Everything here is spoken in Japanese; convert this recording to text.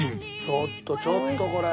ちょっとちょっとこれ。